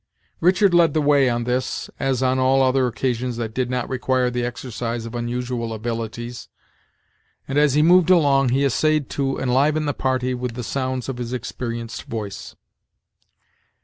Richard led the way on this, as on all other occasions that did not require the exercise of unusual abilities; and as he moved along, he essayed to enliven the party with the sounds of his experienced voice.